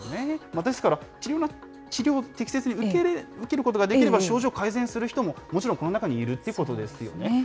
ですから、治療を適切に受けることができれば、症状改善する人も、もちろんこの中にいるってことですよね。